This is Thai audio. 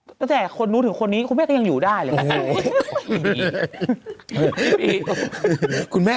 อือหนูก็ไม่ติดนะคุณแม่